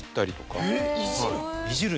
いじる？